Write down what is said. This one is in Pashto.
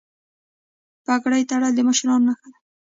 پګړۍ تړل د مشرانو نښه ده.